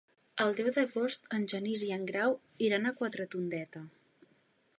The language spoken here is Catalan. El deu d'agost en Genís i en Grau aniran a Quatretondeta.